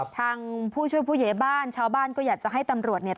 ทางผู้ช่วยผู้ใหญ่บ้านชาวบ้านก็อยากจะให้ตำรวจเนี่ย